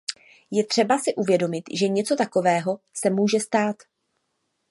Je třeba si uvědomit, že něco takového se může stát.